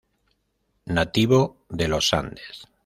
Nativo de los Andes.